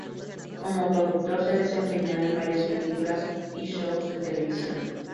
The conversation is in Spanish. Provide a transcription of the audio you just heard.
Como productor, se ha desempeñado en varias películas y shows de televisión.